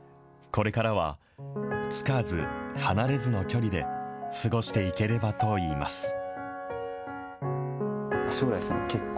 これからはつかず離れずの距離で過ごしていければといいます。